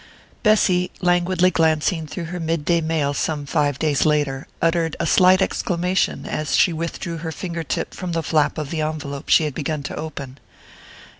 XXV BESSY, languidly glancing through her midday mail some five days later, uttered a slight exclamation as she withdrew her finger tip from the flap of the envelope she had begun to open.